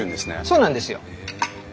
そうなんですよ。